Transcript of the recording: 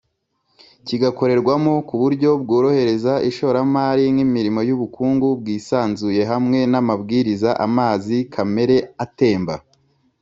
kigakorerwamo ku buryo bworohereza ishoramari nk’imirimo y’ubukungu bwisanzuye hamwe n’amabwirizaamazi kamere atemba